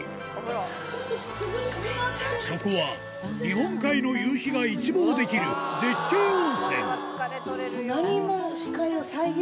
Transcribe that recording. そこは日本海の夕日が一望できる絶景温泉